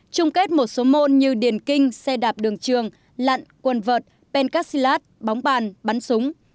trung kết một số môn như điền kinh xe đạp đường trường lặn quần vợt pencastilat bóng bàn bắn súng